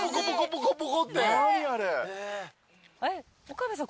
岡部さん